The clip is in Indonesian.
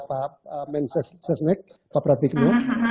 pak men sesnek pak pratikno